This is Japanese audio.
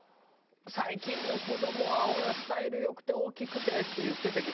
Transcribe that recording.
最近の子どもはスタイル良くて大きくてって言ってたけどさ